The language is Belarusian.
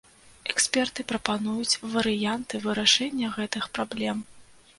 Эксперты прапануюць варыянты вырашэння гэтых праблем.